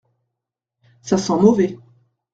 Ça sent mauvais.